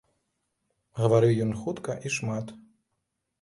Гаварыў ён хутка і шмат.